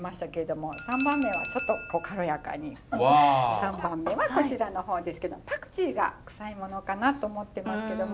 ３番目はこちらの方ですけどパクチーがクサいものかなと思ってますけども。